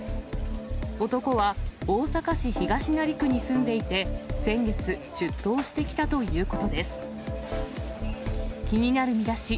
男は大阪市東成区に住んでいて、先月、出頭してきたということです。